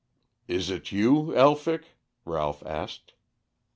"Is it you, Elphick?" Ralph asked.